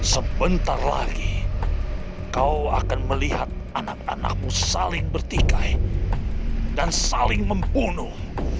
sebentar lagi kau akan melihat anak anakmu saling bertikai dan saling membunuh